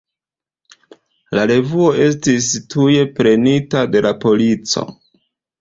La revuo estis tuj prenita de la polico.